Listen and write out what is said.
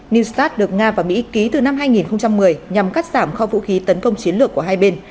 new start được nga và mỹ ký từ năm hai nghìn một mươi nhằm cắt giảm khóa